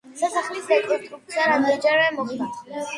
სასახლის რეკონსტრუქცია რამდენჯერმე მოხდა.